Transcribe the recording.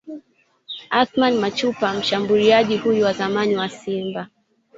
Athumani Machupa Mshambuliaji huyu wa zamani wa Simba